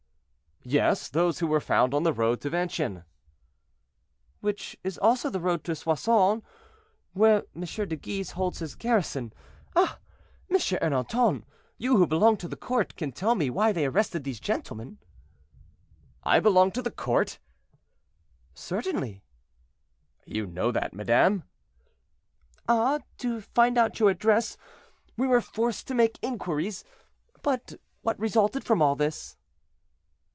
"Yes, those who were found on the road to Vincennes." "Which is also the road to Soissons, where M. de Guise holds his garrison. Ah! M. Ernanton, you, who belong to the court, can tell me why they arrested these gentlemen." "I belong to the court?" "Certainly." "You know that, madame?" "Ah! to find out your address, we were forced to make inquiries. But what resulted from all this?"